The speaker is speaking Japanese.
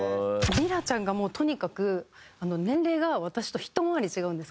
りらちゃんがもうとにかく年齢が私とひと回り違うんですけど。